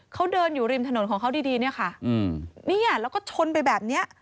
เขาเดินอยู่ริมถนนของเขาดีแล้วก็ชนไปแบบนี้